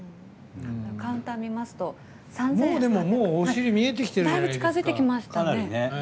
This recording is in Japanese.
カウンターを見ますとだいぶ近づいてきましたね。